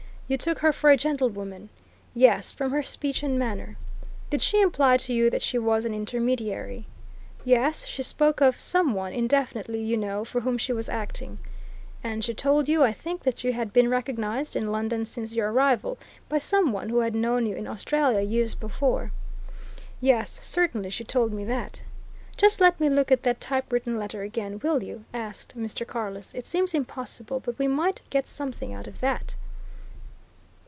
"You took her for a gentlewoman?" "Yes from her speech and manner." "Did she imply to you that she was an intermediary?" "Yes she spoke of some one, indefinitely, you know, for whom she was acting." "And she told you, I think, that you had been recognized, in London, since your arrival, by some one who had known you in Australia years before?" "Yes certainly she told me that." "Just let me look at that typewritten letter again, will you?" asked Mr. Carless. "It seems impossible, but we might get something out of that."